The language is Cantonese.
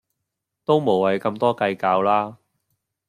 都無謂咁多計較啦